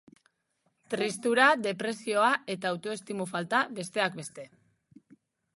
Tristura, depresioa eta autoestimu falta, besteak beste.